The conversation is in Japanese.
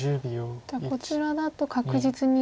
じゃあこちらだと確実に。